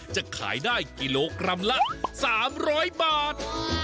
จะขายได้กิโลกรัมละ๓๐๐บาท